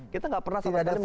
kita nggak pernah sama sekali